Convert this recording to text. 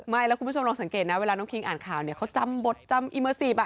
ไม่แล้วคุณผู้ชมลองสังเกตนะเวลาน้องคิงอ่านข่าวเนี่ยเขาจำบทจำอิเมอร์ซีฟ